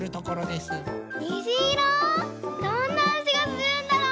どんなあじがするんだろう？